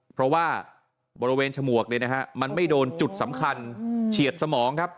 เพราะว่าบริเวณฉมวกมันไม่โดนจุดสำคัญเฉียดสมอง